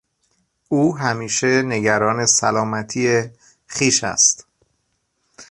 او همیشه نگران سلامتی خویش است.